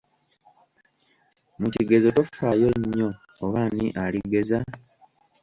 Mu kigezo tofaayo nnyo oba ani aligeza?